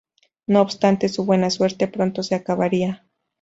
No obstante, su buena suerte pronto se acabaría.